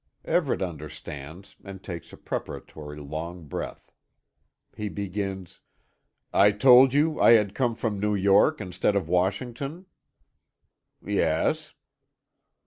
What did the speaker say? Everet understands, and takes a preparatory long breath. He begins: "I told you I had come from New York instead of Washington?" "Yes."